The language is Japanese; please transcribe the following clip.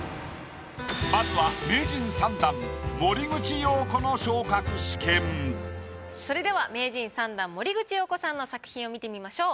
まずはそれでは名人３段森口瑤子さんの作品を見てみましょう。